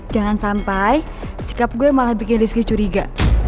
jangan sampai sikap gue malah bikin rizky curiga